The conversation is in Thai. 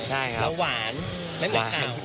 แล้วหวานเนี้ยแม่งเช่า